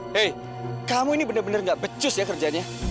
hei kamu ini bener bener nggak becus ya kerjanya